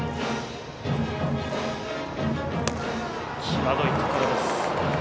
際どいところです。